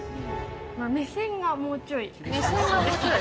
目線がもうちょい？